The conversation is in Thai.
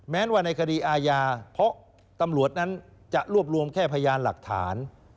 แม้ว่าในคดีอาญาเพราะตำรวจนั้นจะรวบรวมแค่พยานหลักฐาน